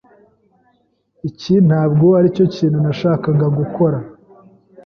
Iki ntabwo aricyo kintu nashakaga gukora.